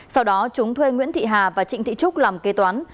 sau đó chúng thuê nguyễn thị hà và trịnh thị trúc làm kế toán